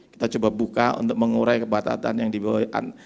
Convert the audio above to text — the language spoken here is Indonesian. kita coba buka untuk mengurai kebatasan yang di bawah